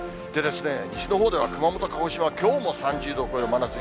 西のほうでは、熊本、鹿児島はきょうも３０度を超える真夏日。